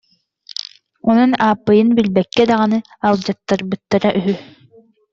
Онон Ааппыйын билбэккэ даҕаны алдьаттарбыттара үһү